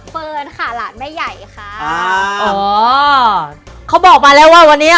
เฟิร์นค่ะหลานแม่ใหญ่ค่ะอ๋อเขาบอกมาแล้วว่าวันนี้